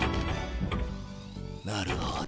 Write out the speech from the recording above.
なるほど。